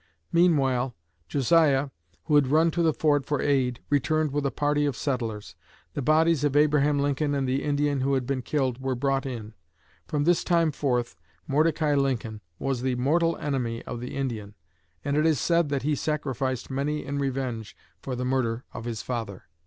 Meanwhile Josiah, who had run to the fort for aid, returned with a party of settlers. The bodies of Abraham Lincoln and the Indian who had been killed were brought in. From this time forth Mordecai Lincoln was the mortal enemy of the Indian, and it is said that he sacrificed many in revenge for the murder of his father."